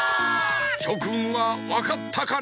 しょくんはわかったかな？